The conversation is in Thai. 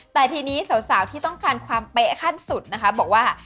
แต่ทีนี้สาวที่ต้องการความเป๊ะขั้นสุดนะคะบอกว่า